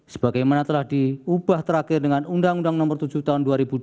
sebagaimana telah diubah terakhir dengan undang undang nomor tujuh tahun dua ribu dua